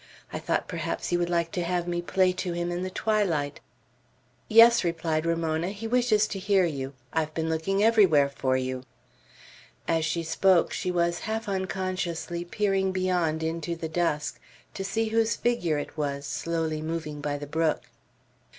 I thought perhaps he would like to have me play to him in the twilight." "Yes," replied Ramona, "he wishes to hear you. I have been looking everywhere for you." As she spoke, she was half unconsciously peering beyond into the dusk, to see whose figure it was, slowly moving by the brook.